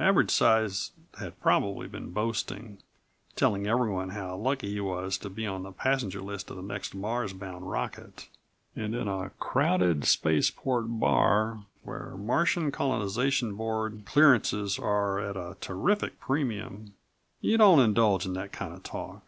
Average Size had probably been boasting, telling everyone how lucky he was to be on the passenger list of the next Mars bound rocket. And in a crowded spaceport bar, where Martian Colonization Board clearances are at a terrific premium, you don't indulge in that kind of talk.